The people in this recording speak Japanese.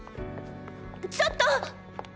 ちょっと！